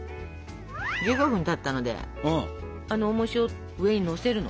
１５分たったのでおもしを上にのせるの。